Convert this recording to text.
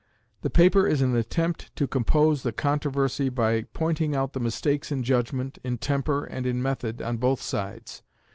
The paper is an attempt to compose the controversy by pointing out the mistakes in judgment, in temper, and in method on both sides.